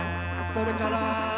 「それから」